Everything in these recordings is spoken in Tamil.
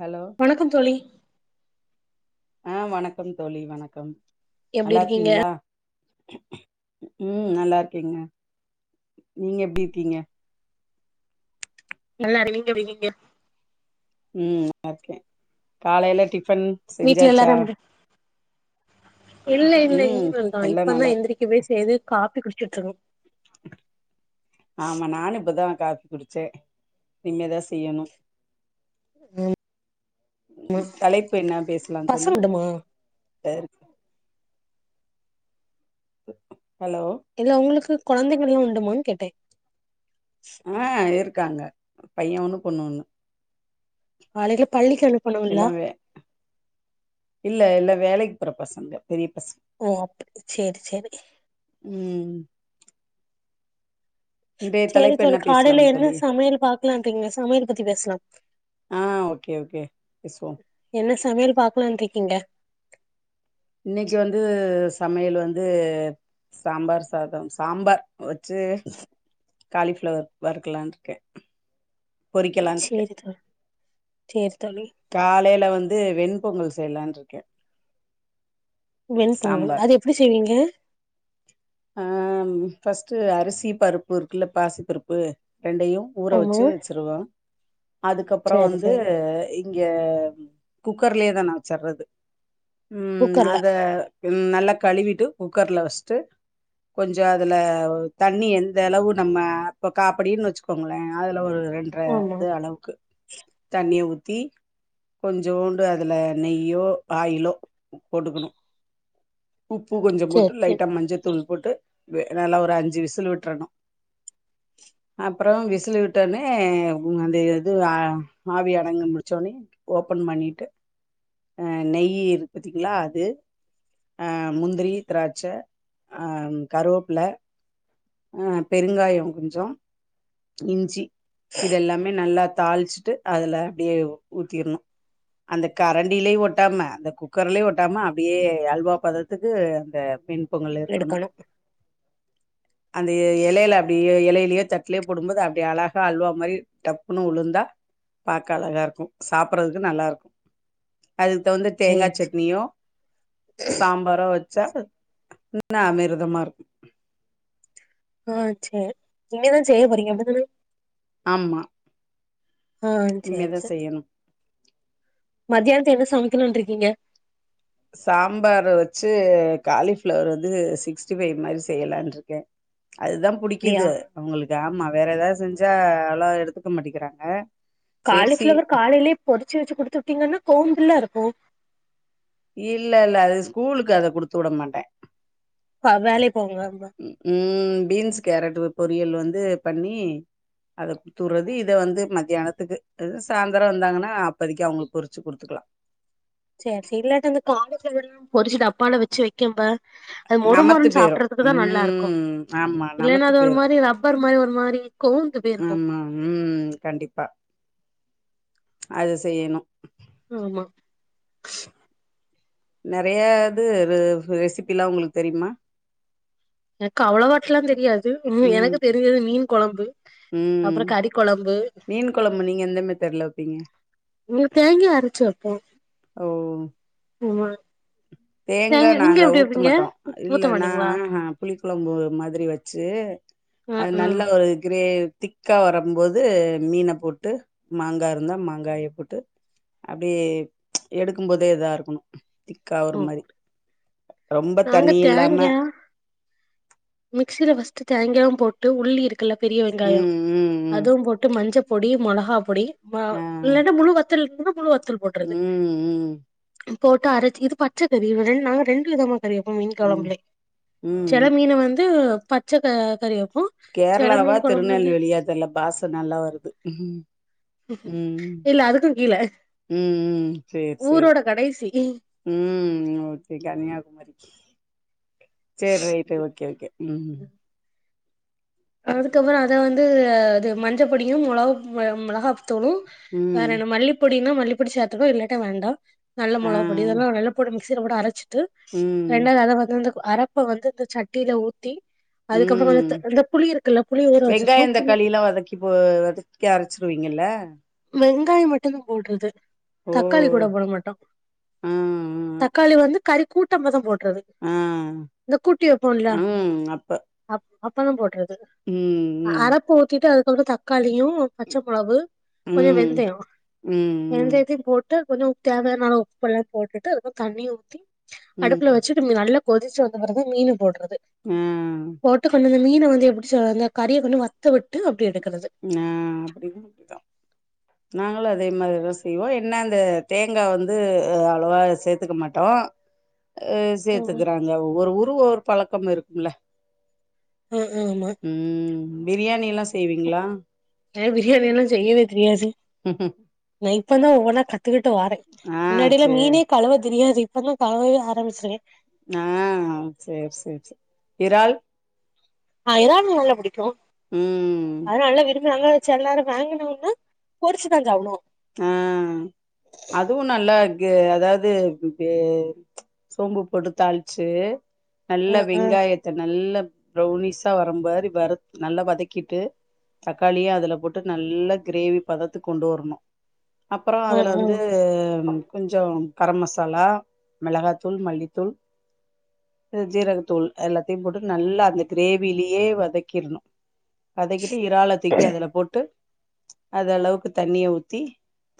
ஹலோ வணக்கம் தோழி ஆஹ் வணக்கம் தோழி வணக்கம் எப்டி நல்லா இருக்கீங்க இருக்கீங்களா உம் நல்லா இருக்கங்க நீங்க எப்படி இருக்கீங்க நல்லா இருக்க நீங்க எப்டி இருகீங்க உம் [inaudible] இருக்க காலையில டிபன் வீட்ல எல்லாரு செஞ்சாச்சா எப்டி இல்ல இல்ல ம் இனிம தா எல்லா இப்பதா நல்லா இருக்கு எந்திரிக்கவே சேய்து காபி குடீச்சட்டுருன்னு ஆமா நானு இப்பதா காபி குடிச்ச இனிமே தா செய்யணு ம் தலைப்பு என்ன பேசலா தோலி பசங்க [inaudible] உண்டுமா [inaudible] இல்ல உங்களுக்கு குழந்தைகள் எல்லா உண்டுமானு கேட்டே ஆஹ் இருக்காங்க பைய ஒண்ணு பொண்ணு ஒண்ணு ஆலைகளை பள்ளிக்கு அனுப்பணுங்லா எல்லா வே இல்ல எல்லா வேலைக்கு போற பசங்க பெரிய பசங்க ஓ அப்படி செரி செரி உம் சரி சரி காலையில பேசலாம் என்ன தோழி சமையல் பாக்கலாம் இருக்கீங்க சமையல் பத்தி பேசலா ஆ ஓகே ஓகே பேசுவோ என்ன சமையல் பாக்கலாம்ட்டு இருக்கீங்க இன்னைக்கு வந்து சமையல் வந்து சாம்பார் சாதம் சாம்பார் வச்சு காளிஃப்ளவர் வருக்கலான்ருக்க பொறிக்கலாருக்க சேரி தோழி சேரி தோழி காலையில வந்து வந்து வெண்பொங்கல் செய்யலான்ருக்க வெண் பொங்கல் அது எப்படி செய்வீங்க ஆஹ் பஃஸ்ட்டு அரிசி பருப்பு இருக்குல்ல பாசி பருப்பு ரெண்டையு ஊற ஆமா வச்சு வச்சுருவ அதுக்கப்ரோ சேரி வந்து சேரி இங்க குக்கர்லயே தா நா வச்சர்றது உம் குக்கர்ல அத நல்லா கழுவிட்டு குக்கர்ல வச்ட்டு கொஞ்சோ அதுல தண்ணி எந்த அளவு நம்ம அப்ப காப்படினு வச்சுக்கோங்களே அதுல ஒரு ரெண்டரை ஆமா இது அளவுக்கு தண்ணிய உத் த்தி கொஞ்சோண்டு அதில நெய்யோ ஆயிலோ போட்டுக்கனு உப்பு கொஞ்சோ சேரி போட்டு சேரி லைட்டா மஞ்ச போட்டு நல்லா ஒரு அஞ்சு விசில் விட்டுறணு அப்ரோ விசில் விட்டனே அந்த இது ஆ ஆவி அடங்க முடிச்சோடனே ஓப்பன் பண்ணிட்டு ஹ நெய் இருக்கு பாத்திங்கலா அது ஹ முந்திரி திராட்ச ஆஹ் கருவேப்புல ஆஹ் பெருங்காயம் கொஞ்சோ இஞ்சி இதெல்லாமே நல்லா தாளிச்சிட்டு அதுல அப்படியே ஊத்திடணு அந்த கரண்டிலயே ஒட்டாம அந்த குக்கர்லயே ஒட்டாம அப்படியே அல்வா பதத்துக்கு அந்த பொங்கல் இருக்கணு எடுக்கணு அந்த இலையில அப்படிய இலையிலயோ தட்டுலேயே போடும்போது அப்படியே அழகா அல்வா மாதிரி டப்புன்னு உளுந்தா பார்க்க அழகா இருக்கும் சாப்படுறதுக்கு நல்லா இருக்கும் அதுக்கு தவந்த தேங்கா சேரி சட்னியோ சாம்பாரோ சாரு நாஅமிருதமா இருக்கு ஆஹ் சரி இனி தா செய்ய போறீங்க அப்படி தானே ஆமா இனிமே சேரி தா சேரி செய்யணு மத்தியானத்து என்ன சமைக்கணும்னு இருக்கீங்க சாம்பார் வச்சு காலிஃபிளவர் வந்து சிக்ஸ்டி ஃபைவ் மாரி செய்யலாந்தா இருக்க அதுதா அப்டியா புடிக்குது அவங்களுக்கு ஆமா வேற ஏதாது செஞ்சா அவ்ளோ எடுத்துக்க மாட்டிகிறாங்க காலிஃபிளவர் காலைலியே பொறிச்சு வச்சு குடுத்து வுட்டீங்கன்னா கோவுந்துல்லா இருக் போ தூட மாட்ட ப வேலைக்கு போங்க உம் பீன்ஸ் கேரட் வப்ப பொரியல் வந்து பண்ணிஅத குடுத்துடுறது இத வந்து மத்தியானத்துக்கு சாயந்தர வந்தாங்கன்னா அப்பதிக்கு அவங்களுக்கு பொறிச்சு குடுத்துக்கலா செர் செர் இல்லாட்ட அந்த காலிஃப்ளவர்ல பொறிச்சு டப்பால வச்சு வைக்கும்ப அது மொரு நமத்து மொருன்னு போயிரு சாப்பிடுறதுக்கு தா நல்லா இருக்கு ம் ஆமா இல்லைன்னா நமத்து அது ஒரு போயிரு மாதிரி ரப்பர் மாதிரி ஒரு மாரி கோந்து போயிருக்கு ஆமா உம் கண்டிப்பா அது செய்யணு ஆமா நறைய இது ரெசிபில்லா உங்களுக்கு தெரியுமா எனக்கு அவ்வளவாட்டு எல்லா தெரியாது உ ம் எனக்கு தெரிஞ்சது மீன் குழம்பு ம் அப்ரோ கறி குழம்பு மீன் கொழம்பு நீங்க எந்த மெத்தட்ல வப்பீங்க உங்க தேங்க அரைச்சு அப்போ ஓ ஆமா தேங்கா நீங்க நாங்க எப்டி ஊத்த வைப்பீங்க மாட்டோ ஊத்த மாட்டீங்களா இல்லைன்னாஹ் புளி குழம்பு மாரி வச்சு ஆ அது ஆ நல்ல ஒரு கிரே திக்கா வரும்போது மீன போட்டு மாங்கா இருந்தா மாங்காய போட்டு அப்படிய எடுக்கு போதே இதா இருக்கணு திக்கா அந்த ஓ மாரி ரொம்ப நாங்க தண்ணி இல்லாம தேங்கா மிக்சில ஃபஸ்ட் தோயங்கால போட்டு உள்ளி இருக்கு ல்ல பெரிய வெங்காயோ ம் ம் ம் அதுவும் போட்டு மஞ்ச பொடி மொளகா பொடி வ ஆ இல்லன்னா முழு வ [unintelligible] தல் போட்றது ம் ம் போட்டு அரைச்சு இது பச்சைக்கறி நாங்க ரெண்டு விதமா செரியப்ப மீன் ம் ம் கொழம்புலே சில ம் மீன வந்து அ பச்ச க கறி வ கேரளாவா திருநெல்வேலியா தெல்ல பாச நல்லா வருது உம் உம் இல்ல அதுக்கு கீழ உம் செரி செரி ஊரோட கடைசி உம் ஓகே கன்னியாகுமரி செரி ரைட்டு ஓகே ஓகே உம் அதுக்கப்புறோ அத வந்து இது மஞ்ச பொடியும் மொளக மிளகா தோணு வேற ம் என்ன மல்லிப்பொடி ன்னா மல்லிபடிசாத்தப்ப இல்லாட்ட வேண்டா நல்ல ஆ மொளக பொடி இதெல்லா நல்ல பொடு சீலபோட்டுஅரச்சு ம் [unintelligible] அரப்ப வந்து இந்த சட்டில ஊத்தி அதுக்கப்புறோ ம் த் வந் வெங்காயோ தக்காளிலா வதக்கி போ வதக்கிக்க அரைச்சிருவீங்கல்ல வெங்காயோ மட்டுதான் போடுறது ஓ தக்காளி கூட போட மாட்டோ ஆ தக்காளி வந்து கறிக்கூட்டம்பதம் போ ஆ இந்த கூட்டி வைப்போம்ல ஆ ம் அப்ப அப்பத்தா போடுறது ம் ம் அரப்போக்கிட்டு அது ஒரு தக்காளியு ஒரு பச்சமொளவு கொஞ்சோ ம் வெந்தயோ ம் வெந்தயத்தையு போட் ட்டு கொஞ்சோ தேவையானா அளவு உப்புயெல்லா போட்டுட்டு அதுக்கு தண்ணிய ஊத்தி அடுப்புல ம் வச்சு [unintelligible] நல்லா கொதிச்சு வந்த பிறகு மீன்னு போடுறது ம் ஆ போட்டு [unintelligible] மீன வந்து எப்டி சொல்றது கறியா கொண்டு வத்த விட்டு அப்படி எடு ஆ அப்டிதா அப்டிதா நாங்களு அதே மாரி தான் செய்வோ என்ன அந்த தேங்கா வந்து அவ்ளோவா சேத்துக்க மாட்டோ ஆ சேர்த்துக்குறாங்க ஒவ்வொரு ஊரு ஒவ்வொரு பழக் பக்கம் இருக்குல ஆ ஆ ஆமா பிரியாணி எல்லா ஏ பிரியாணியெல்லா செய்யவே தெரியாது [inaudible] இப்பதா ஒவ்வொண்ணா கத் த்துக்கிட்டு வாரே ஆ முன்னாடியிலா சேரி மீனே கழுவ தெரியாது இப்ப தான் கழுவவே ஆரம்பிச்சுருக்கே ஆ சேரி சேரி சேரி இறால் ஆ இறால் நல்லா புடிக்கூ ம் அதன நல்லா விரும்பி எல்லாரு வாங்கினம்னா பொறிச்சுதா சாப்புடுவோ ஆ அதுவு நல்லா அதாவது சோம்பு போட்டு தாளிச்சு ஆ நல்ல ஆ வெங்காயத்த நல்ல பௌனிஸ்சா வரும்பாரி வறுத் நல்லா வதக்கிட்டு தக்காளியா அதுல போட்டு நல்ல கிரேவி பதத்துக்கு கொண்டு வரணு அப்றோ ஆ அதுல ஆ வந்து கொஞ்சோ கரம் மசாலா மெளகாயத்தூள் மல்லித்தூள் ஜீரகத்தூள் எல்லாத்தையு போட்டு நல்லா அந்த கிரேவிலயே வதக்கிடணு வதக்கிட்டு இறால துக்கி அதுல போட்டு அது அளவுக்கு தண்ணிய ஊத்தி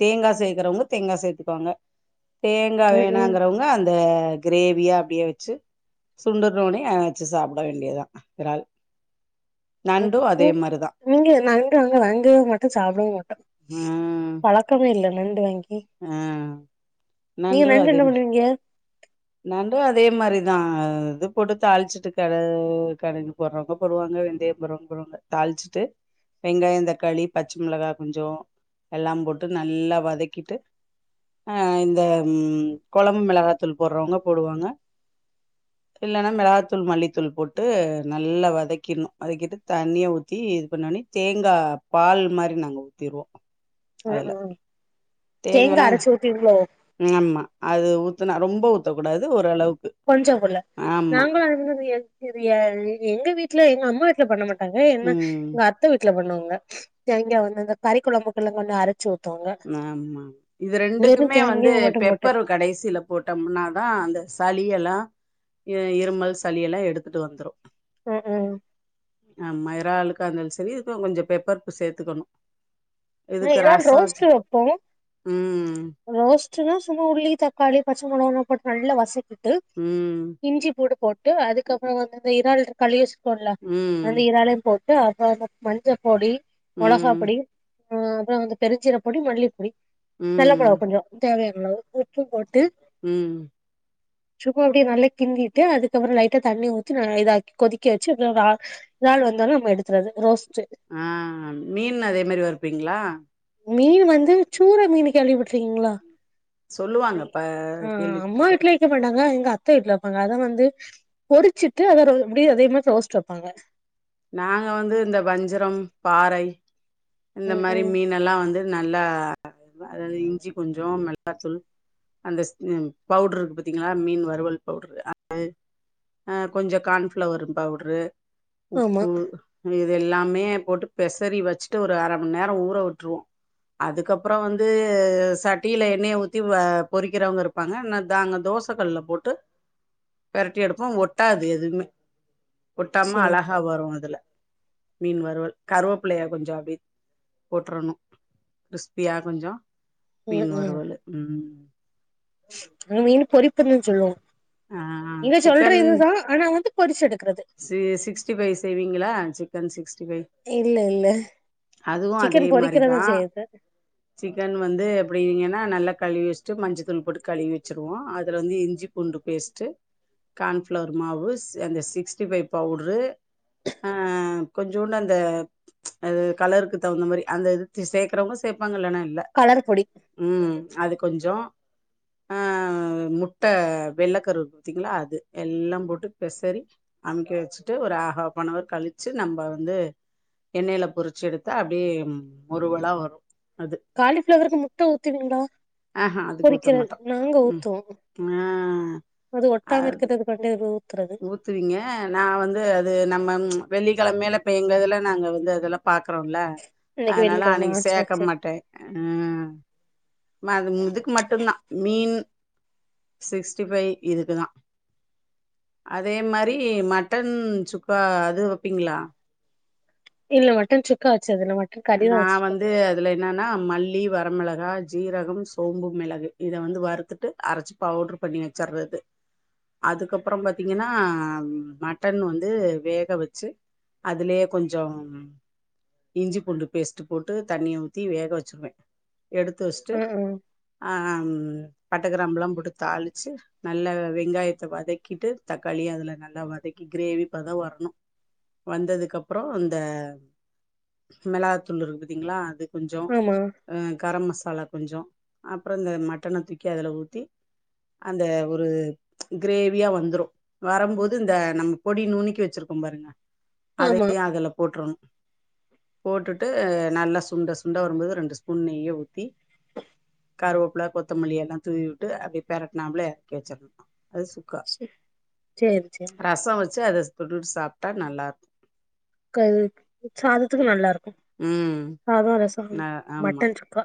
தேங்காய் சேக்குறவுங்க தேங்காய் சேத்துக்குவாங்க தேங்காய் ம் ம் வேணாங்கறவங்க அந் இத கிரேவியா அப்படியே வெச்சு சுண்டுணோனயே வெச்சு சாப்பிட வேண்டியதுதா இறால் நண்டு அதே [unintelligible] மாரிதா இங்க நாங்க அங்க வாங்கவு மாட்டோ சாப்பிடவு மாட்டோ பழக் கமே இல்ல நண்டு வாங் அ நீங்க நண்டு என்ன பண்ணுவீங்க நண்டு அதே மாரிதா இது போட்டு தாளிச்சுட்டு கட கடுகு போடுறவங்க போடுவாங்க வெந்தய போடுறவங்க போடுவாங்க தாளிச்சுட்டு வெங்காயந் தக்காளி பச்ச மெளகா கொஞ்சொ எல்லாம் போட்டு நல்லா வதக்கிட்டு அஹ் இந்த ம் கொழம்பு மிளகா தூள் போடுறவங்க போடுவாங்க இல்லன்னா மெளகாத்தூள் மல்லித்தூள் போட்டு நல்லா வதக்கீறணு வதக்கிட்டு தண்ணியா ஊத்தி இது பண்ணுண்ணி தேங்கா பால் மாரி நாங்க ஊத்தீருவோ ம், அதுல ம். தேங்கா தேங்கானா அரச்சு ஊத்துவீங்ளோ ஆமா அது ஊத்துனா ரொம்ப ஊத்தக்கூடாது ஓரளவு கொஞ்சோ குள்ள நாங்களு [unintelligible] எங்க வீட் இல்ல எங்க அம்மா வீட்ல பண்ண மாட் டாங்க என்ன ம் எங்க அத்த வீட்ல பண்ணுவாங்க க இங்க வந்து அந்த கறி கொழம்பு [unintelligible] கொண்டு அரைப் ஆமா இது வெறு ரெண்டுக்குமே வந்து தேங்காவ மட்டு போட்டு பெப்பர் கடைசில போட்டம்னாதா அந்த ச ளி எல்லா இருமல் சளியெல்லா எடுத்துட்டு வந்துரு ம் ம் ஆமா இறாளுக்கா‌இருந்தாலு செரி இதுக்கு கொஞ்ச பெப்பர் சேத்துக்கணு ஆஹ் இதுக்கு இறால் ரசோ வச்சு ரோஸ்ட் [unintelligible] ம் ரோஸ்ட்னா சும்மா உருளி தக்காளி பச்ச [unintelligible] போட்டு நல்லா வசக்கு போட்டு ம் இஞ்சி பூடு போட்டு அதுக்கப்புறோ வந்து இறால் களிய போட்லா ம் வந்து இறாலு போட் டு [unintelligible] மஞ்சப் பொடி மொளகாப் ம் பொடி ஆ அப்புறோ வந்து பெருஞ்சீர பொடி மல்லிப் பொடி நல்ல ம் பழொ கொஞ்சோ தேவை யான உப்பு போட்டு ம் சும்மா அப்படியே நல்லா கிண்டிட்டு அதுக்கப்புற லைட்டா தண்ணி ஊத்தி ந இதாக்கி கொதிக்க வெச்சு இதுல ஒரு [unintelligible] வந்தாலும் நம்ம எடுத்துறது ரோஸ் ஆ மீன் அதே மாரி வரு ப்பீங்களா மீன் வந்து சூற மீனு கேள்விப்பட்டிருக்கீங்ளா சொல்லுவாங்க ம் ப ம் அம்மா கேள்விப்பட்டிருக்கே வீட்டுல இருக்க மாட்டாங்க அத்தை வீட்டுல வெப்பாங்க அதை வந்து பொடிச்சிட்டு அத எப்படிய அதே மாரி ரோஸ்ட் வைப்பாங்க நாங்க வந்து இந்த வஞ்சரம் பாறை இந்த ம் மாரி ம் மீனலா வந்து நல்லா அதாவது இஞ்சி கொஞ்சோ மெலகாத்தூள் அந்த ம் பவுட்ருக்கு பார்த்தீங்களா மீன் வறுவல் பவுடரு அது ஆ கொஞ்சோ கான்ஃப்ளவர் பவுடரு ஆமா உப்பு எல்லாமே போட்டு பெசறி வச்சு ட்டு ஒரு அர மண் நேரம் ஊற உட்டுருவோம் அதுக்கப்புறம் வந்து சட்டியில எண்ணெய ஊத்தி பொறிக்கிறவங்க இருப்பாங்க நா தாங்க தோசை கல்லல போட்டு பெரட்டி எடுப்போம் ஒட்டாது எதுவுமே ஒட்டாம சரி அழகா வரு அதுல மீன் வறுவல் கருவேப்பிள்ளைய கொஞ்சோ போட்டுரணும் கிறிஸ்பியா கொஞ்சோ ம் மீன் ம் வருவலு ம் மீன் பொறிப்பதுன்னு சொல்லுவோ ஆ நீங்க சொல்ற இதுதா ஆனா வந்து [unintelligible] ச சிக் சிகஸ்டி ஃபை செய்வீங்களா சிக்கன் சிக்ஸ்டி ஃபைவ் இல்ல இல்ல அதுவு அதே சிக்கன் பொறிக்கிறனு மாரிதா செய்யுது சிக்கன் வந்து எப்படிங்கன்னா நல்லா கழுவி வச்சுட்டு மஞ்ச தூள் போட்டு கழுவி வச்சிருவோம் அதுல வந்து இஞ்சி பூண்டு பேஸ்ட்டு கான்பிளவர் மாவு அந்த சிக்ஸ்டிஃபைவ் பவுடரு அஹ் கொஞ்சோண்டு அந்த ப்ச் கலருக்கு தகுந்த மாதிரி அந்த இ சேர்க்கறவங்க ப்பங்கள இல்ல கலர் பொடி உம் அது கொஞ்சோ ஆஹ் முட்டை வெள்ளைக்கருவு பாத்தீங்களா அது எல்லாம் போட்டு பெசறி அமைக்க வச்சுட்டு ஒரு ஆ ஹாப்பன்வர் கழிச்சு நம்ம வந்து எண்ணெயில பொரிச்சு எடுத்த அப்படியே முருவலா வரும் காலிஃப்ளவருக்கு முட்ட ஊத்துவீங்களா ஆஹா அதுக்கு ஊத்த பொரிக்க மாட்டோ நாங்க ம் ஊத்துவோ ஆ அது ஒட்டாம அது இருக்கிறதுக்கு பண்டது ஊத்துவீங்க நான் வந்து அது நம்ம வெள்ளிக்கிழமலே பேய்யங்குறதுல நாங்கள் வந்து அதெல்லாம் பாக்குறோம்ல இன்னைக்கு அதனால வெள்ளிக்கிழம அன்னைக்கு ஆ சேரி சேக்க சேரி மாட்டே உம் ம இதுக்கு மட்டும்தா மீன் சிக்ஸ்டி ஃபைவ் இதுக்குதான் அதே மாரி மட்டன் சுக்கா அது வைப்பீங்களா இல்ல மட்டன் சுக்கா வச்சதுல்ல மட்டன் கறிதா நான் வச்சிருக்கோ வந்து அதுல என்னன்னா மல்லி வரமெளக கா ஜீரகம் சோம்பு மிளகு இதை வந்து வறுத்துட்டு அரைச்சு பவுடரு பண்ணி வச்சறது அதுக்கப்புறோ பாத்தீங்கன்னா மட்டன் வந்து வேக வச்சு அதுலயே கொஞ்சம் இ்ஞ்சி பூண்டு பேஸ்ட் போட்டு தண்ணியை ஊத்தி வேக வச்சருவே எடுத்து வச்ட்டு ஆ ஆ ஆ உம் பட்டைக்கிரம்புலாம் போட்டு தாளிச்சு நல்லா வெங்காயத்தை வதக்கிட்டு தக்காளி அதுல நல்லா வதக்கி கிரேவிப்பதம் வரணும் வந்ததுக்கு அப்புறம் அந்த மெளாகத்தூள் இருக்கு பத்தீங்களா அது கொஞ்சோ ஆமா கரம் மசாலா கொஞ்சோ அப்புறோ இந்த மட்டன தூக்கி அதல ஊத்தி அந்த ஒரு கிரேவியா வந்துடும் வரும்போது இந்த நம்ம பொடி நுணுக்கி வச்சிருக்கோ பாருங்க ஆமா அதையே அதுல போற்றனு போட்டுட்டு நல்லா சுண்ட சுண்டா வரும்போது ரெண்டு ஸ்பூன் நெய்யே ஊத்தி கருவேப்புல கொத்தமல்லி எல்லாம் தூவி விட்டு அபபடியே பெரட்நாம்ல இறக்கி வச்சிடணு அது க சேரி சேரி ரசோ வச்சு அத தொட்டுட்டு சாப்பிட்டா நல்லா இருக்கு க சாதத்துக்கு நல்லா இருக் உம் ஆஹ ஆமா மட்டன் சுக்கா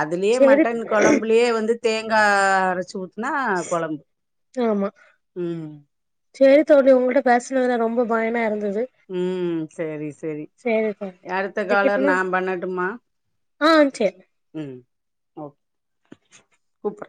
அதுலயே சேரி மட்டன் குழம்புலயே வந்து தே ங்க அரைச்சு ஊத்தி நா குழம்பு உம் செரி தோழி உங்கள்ட்ட பேசுனதுல ரொம்ப பயனா இருந்தது உம் செரி செரி சேரி தோழி அடுத்த காலர் வைக்கட்டுமா நா பண்ணட்டுமா ஆ சேரி உம் கூப்பற